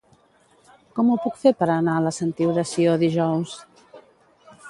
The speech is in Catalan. Com ho puc fer per anar a la Sentiu de Sió dijous?